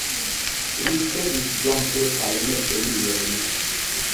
Li ricevis jam kelkajn premiojn.